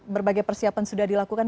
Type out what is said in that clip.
berbagai persiapan sudah dilakukan